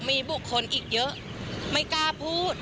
มีบุคคลอีกเยอะไม่กล้าพูด